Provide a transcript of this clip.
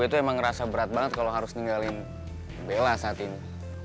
itu emang ngerasa berat banget kalau harus ninggalin bela saat ini